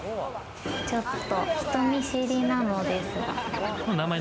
ちょっと人見知りなのですが。